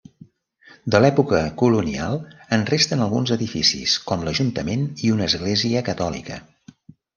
De l'època colonial, en resten alguns edificis com l'ajuntament i una església catòlica.